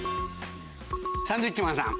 サンドウィッチマンさん。